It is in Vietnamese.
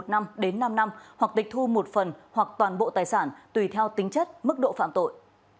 một năm đến năm năm hoặc tịch thu một phần hoặc toàn bộ tài sản tùy theo tính chất mức độ phạm tội